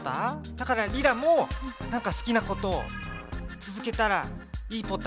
だからリラもなんか好きなことを続けたらいいポタよ。